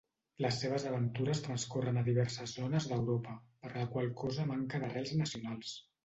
Les seves aventures transcorren a diverses zones d'Europa, per la qual cosa manca d'arrels nacionals.